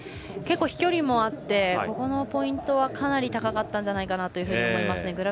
飛距離もあってここのポイントはかなり高かったんじゃないかと思いますね。